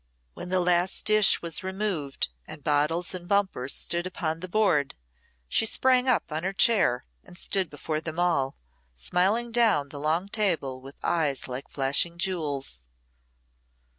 When the last dish was removed and bottles and bumpers stood upon the board, she sprang up on her chair and stood before them all, smiling down the long table with eyes like flashing jewels.